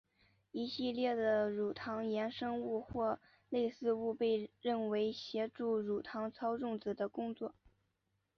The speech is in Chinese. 一系列的乳糖衍生物或类似物被认为协助乳糖操纵子的工作。